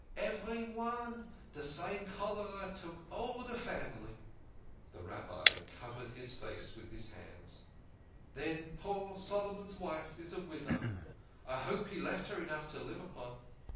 " Everyone. De same cholera took all de family." The Rabbi covered his face with his hands. " Then poor Solomon's wife is a widow. I hope he left her enough to live upon."